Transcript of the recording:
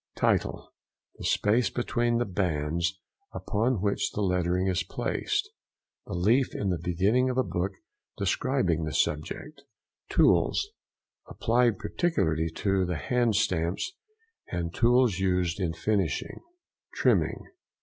TITLE.—The space between the bands upon which the lettering is placed. The leaf in the beginning of a book describing the subject. TOOLS.—Applied particularly to the hand stamps and tools used in finishing. TRIMMING.